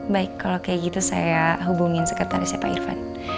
baik kalau kayak gitu saya hubungin sekretarisnya pak irfan